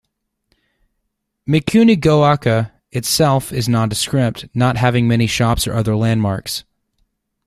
Mikunigoaka itself is nondescript, not having many shops or other landmarks.